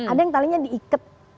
ada yang talinya diikat